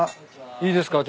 いいですか？